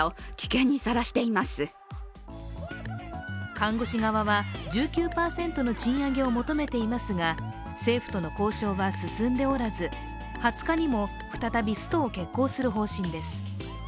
看護師側は１９％の賃上げを求めていますが政府との交渉は進んでおらず２０日にも再びストを決行する方針です。